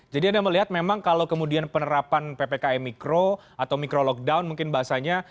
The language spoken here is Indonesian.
jadi anda melihat memang kalau kemudian penerapan ppkm micro atau micro lockdown mungkin bahasanya